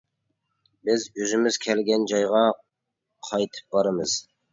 بىز ئۆزىمىز كەلگەن جايغا قايتىپ بارىمىز.